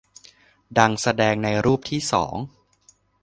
ดังแสดงในรูปที่สอง